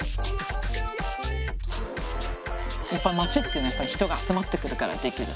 やっぱり街っていうのは人が集まってくるからできる。